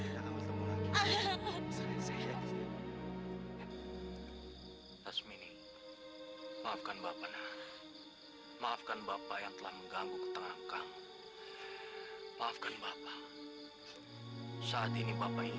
saya meng enfinikmu secara keselainan